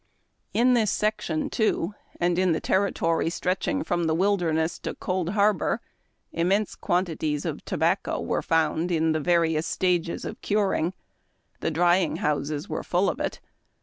In this section, too, and in the territory stretching from the Wilderness to Cold Harbor, immense quantities of to bacco were found in the various stages of curing. The drying houses were full of it.